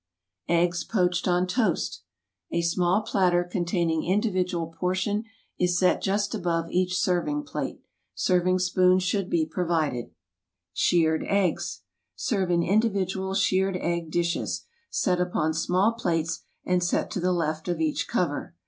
Eggs Eggs Poached on Toast A SMALL platter containing individual portion ■^* is set just above each service plate. Serving spoon should be provided. Shirred Eggs SERVE in individual shirred egg dishes, set upon small plates and set to the left of each cover.